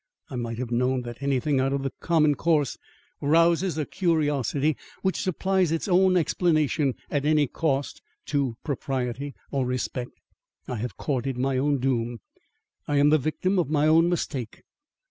I might have known that anything out of the common course rouses a curiosity which supplies its own explanation at any cost to propriety or respect. I have courted my own doom. I am the victim of my own mistake.